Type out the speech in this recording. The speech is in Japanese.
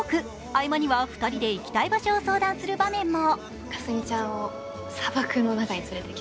合間には２人で行きたい場所を相談する場面も。